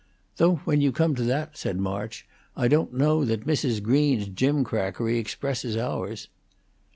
"Though when you come to that," said March, "I don't know that Mrs. Green's gimcrackery expresses ours."